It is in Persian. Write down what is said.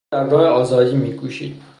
او در راه آزادی میکوشید.